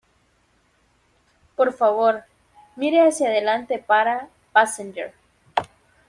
Por favor, mire hacia adelante para "Passenger"!